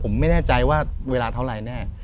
ผมไม่แน่ใจว่าเวลาเท่าไรแน่